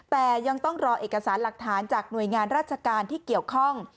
แต่ยังต้องรอเอกสารหลักฐานจากหน่วยงานราชการที่เกี่ยวข้อง